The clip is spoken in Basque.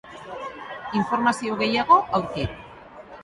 Informazio gehiago, aurki.